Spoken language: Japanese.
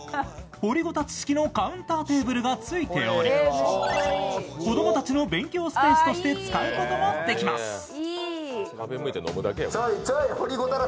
掘ごたつ式のカウンターテーブルがついており、子供たちの勉強スペースとして使うこともできます。